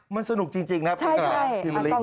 มันสนุกจริงนะพี่กราวทีมลิ้งนะครับทีมลิ้งนะครับใช่